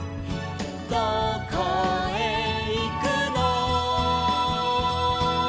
「どこへいくの」